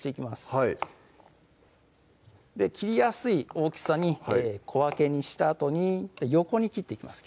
はい切りやすい大きさに小分けにしたあとに横に切っていきます